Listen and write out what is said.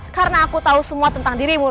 karena aku tahu semua tentang dirimu rodeno